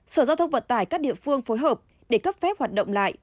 sở giao thông vận tải các địa phương phối hợp để cấp phép hoạt động lại